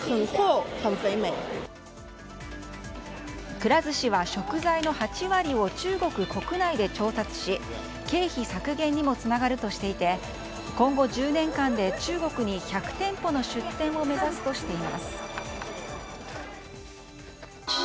くら寿司は食材の８割を中国国内で調達し経費削減にもつながるとしていて今後１０年間で中国に１００店舗の出店を目指すとしています。